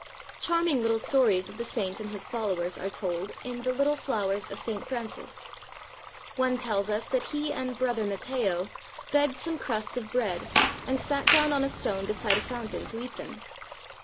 Charming httle stories of the saint and his followers are told in the "Little Flowers of St. Francis." One tells us that he and "Brother Matteo" begged some crusts of bread and sat down on a stone beside a fountain to eat them.